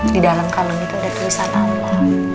di dalam kalung itu ada tulisan awal